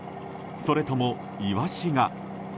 それともイワシが？